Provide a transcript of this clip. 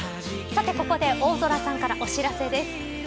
さて、ここで大空さんからお知らせです